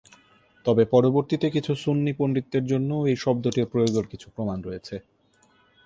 তবে পরবর্তীতে কিছু সুন্নি পণ্ডিতদের জন্যও এই শব্দটির প্রয়োগের কিছু প্রমাণ রয়েছে।